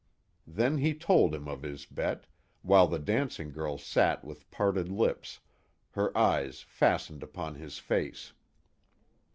Then he told them of his bet while the dancing girl sat with parted lips, her eyes fastened upon his face.